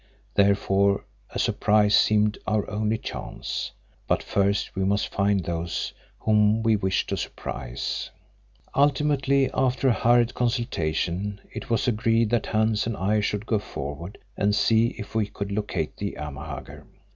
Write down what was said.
Therefore a surprise seemed our only chance. But first we must find those whom we wished to surprise. Ultimately, after a hurried consultation, it was agreed that Hans and I should go forward and see if we could locate the Amahagger.